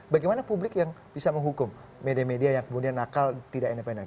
bagaimana publik yang bisa menghukum media media yang kemudian nakal tidak independen